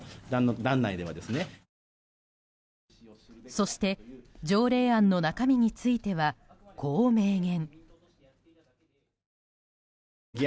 そして条例案の中身についてはこう明言。